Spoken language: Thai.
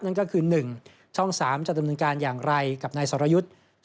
นั่นก็คือ๑ช่อง๓จะดำเนินการอย่างไรกับนายสรยุทธ์